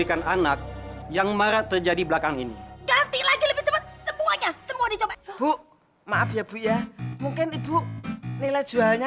eh anak kecil gak ada otaknya